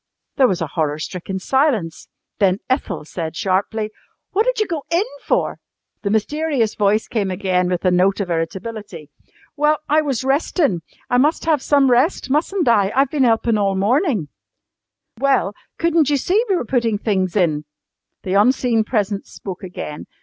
There was a horror stricken silence. Then Ethel said sharply: "What did you go in for?" The mysterious voice came again with a note of irritability. "Well, I was restin'. I mus' have some rest, mustn't I? I've been helpin' all mornin'." "Well, couldn't you see we were putting things in?" The unseen presence spoke again.